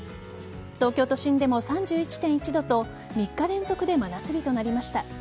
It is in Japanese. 東京都心でも３１．１度と３日連続で真夏日となりました。